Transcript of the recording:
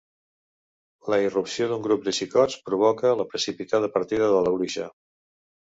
La irrupció d'un grup de xicots provoca la precipitada partida de la bruixa.